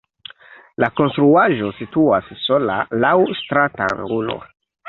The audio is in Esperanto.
La konstruaĵo situas sola laŭ stratangulo.